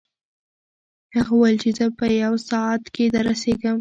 هغه وویل چې زه په یو ساعت کې دررسېږم.